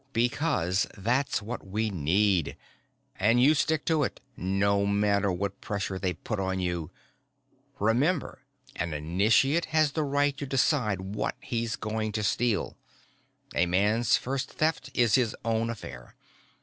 "Because that's what we need. And you stick to it, no matter what pressure they put on you. Remember, an initiate has the right to decide what he's going to steal. A man's first Theft is his own affair."